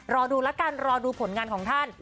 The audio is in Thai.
รอดูแล้วกันรอดูผลงานของท่าน